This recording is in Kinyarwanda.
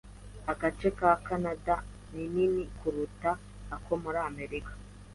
Agace ka Kanada nini kuruta ako muri Amerika.